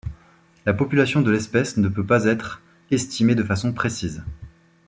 La population de l'espèce ne peut pas être estimée de façon précise.